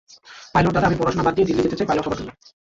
Pilot দাদা, আমি পড়াশোনা বাদ দিয়ে দিল্লী যেতে চাই পাইলট হবার জন্য।